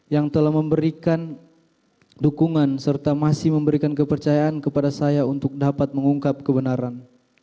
yang telah memberikan dukungan serta masih memberikan kepercayaan kepada saya untuk dapat mengungkap kebenaran